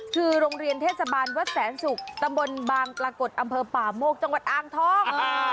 คือโรงเรียนเทศบาลวัดแสนศุกร์ตำบลบางปรากฏอำเภอป่าโมกจังหวัดอ่างทอง